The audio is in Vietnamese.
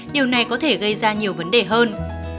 điều này có thể gây ra nhiều vấn đề hơn